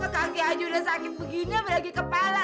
kaki ayah udah sakit begini abis lagi kepala